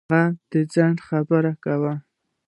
هغوی د ځنډ خبرې کولې.